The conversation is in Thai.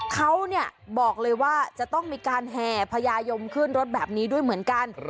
เขาเนี่ยบอกเลยว่าจะต้องมีการแห่พญายมขึ้นรถแบบนี้ด้วยเหมือนกัน